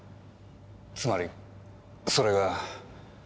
つまりそれが。